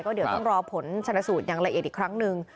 เดี๋ยวต้องรอผลชนสูตรอย่างละเอียดอีกครั้งหนึ่ง